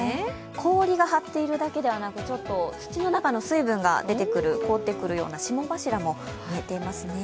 氷が張っているだけではなく、土の中に水分が出てくる、凍ってくるような霜柱もかかっていますね。